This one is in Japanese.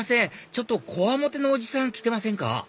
ちょっとこわもてのおじさん来てませんか？